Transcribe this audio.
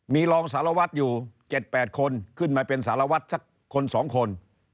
มีรองสารวัตรอยู่๗๘คนขึ้นมาเป็นสารวัตรสักคน๒คน